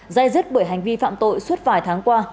gie giết bởi hành vi phạm tội suốt vài tháng qua